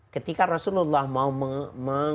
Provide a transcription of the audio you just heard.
ketika rasulullah mau mengeluarkan